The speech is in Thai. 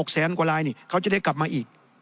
แสนกว่าลายนี่เขาจะได้กลับมาอีก